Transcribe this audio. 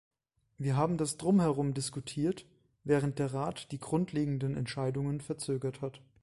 Wir haben das Drumherum diskutiert, während der Rat die grundlegenden Entscheidungen verzögert hat.